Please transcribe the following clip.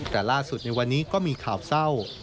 แต่ล่าสุดในวันนี้ก็มีข่าวเศร้า